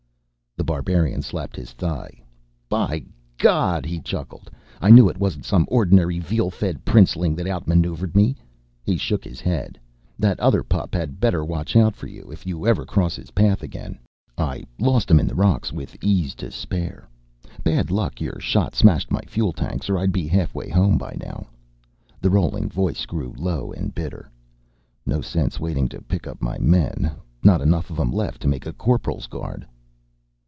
The Barbarian slapped his thigh. "By God," he chuckled, "I knew it wasn't some ordinary veal fed princeling that outmaneuvered me!" He shook his head. "That other pup had better watch out for you, if you ever cross his path again. I lost him in the rocks with ease to spare. Bad luck your shot smashed my fuel tanks, or I'd be halfway home by now." The rolling voice grew low and bitter. "No sense waiting to pick up my men. Not enough of 'em left to make a corporal's guard."